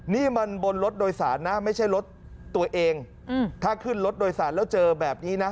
นี่มันบนรถโดยสารนะไม่ใช่รถตัวเองถ้าขึ้นรถโดยสารแล้วเจอแบบนี้นะ